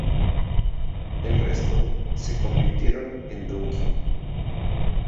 El resto se convirtieron en Dunkin'.